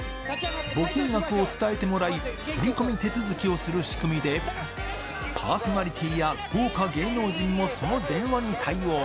募金額を伝えてもらい、振り込み手続きをする仕組みで、パーソナリティーや豪華芸能人もその電話に対応。